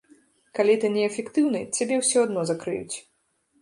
Калі ты не эфектыўны, цябе ўсё адно закрыюць.